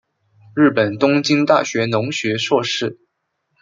日本东京大学农学硕士。